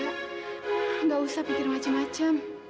tidak usah pikir macam macam